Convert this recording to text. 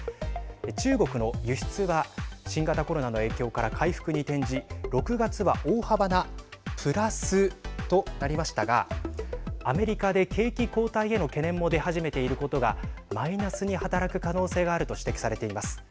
中国の輸出は新型コロナの影響から回復に転じ６月は大幅なプラスとなりましたがアメリカで景気後退への懸念も出始めていることがマイナスに働く可能性があると指摘されています。